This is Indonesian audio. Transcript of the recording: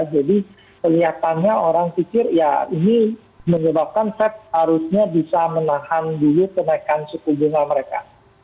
jadi kelihatannya orang pikir ya ini menyebabkan fed harusnya bisa menahan dulu kenaikan suku bunga mereka